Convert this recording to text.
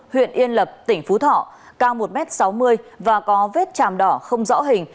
huyện yên lập tỉnh phú thọ cao một m sáu mươi và có vết chàm đỏ không rõ hình